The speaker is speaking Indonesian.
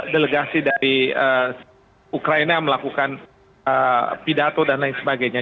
delegasi dari ukraina melakukan pidato dan lain sebagainya